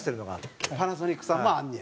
蛍原：パナソニックさんもあんねや。